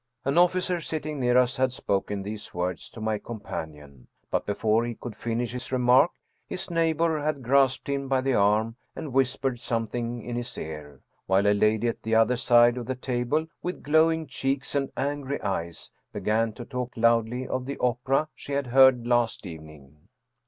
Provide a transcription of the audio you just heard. " An officer sitting near us had spoken these words to my companion, but before he could finish his remark his neighbor had grasped him by the arm and whispered something in his ear, while a lady at the other side of the table, with glowing cheeks and angry eyes, began to talk loudly of the opera she had heard last evening.